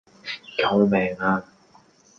救命呀